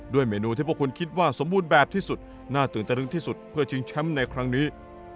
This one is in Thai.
เมนูที่พวกคุณคิดว่าสมบูรณ์แบบที่สุดน่าตื่นตะลึกที่สุดเพื่อชิงแชมป์ในครั้งนี้